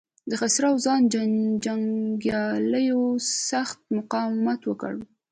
د خسرو خان جنګياليو سخت مقاومت وکړ.